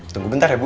tunggu bentar ya bu